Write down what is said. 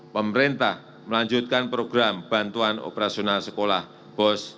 pemerintah melanjutkan program bantuan operasional sekolah bos